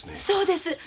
そうです。